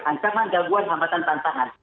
ancaman gangguan hambatan tantangan